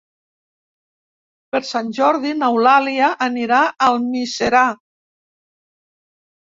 Per Sant Jordi n'Eulàlia anirà a Almiserà.